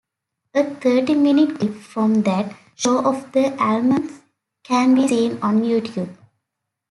A thirty-minute clip from that show of the Allmans can be seen on YouTube.